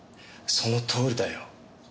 そのとおりだよ。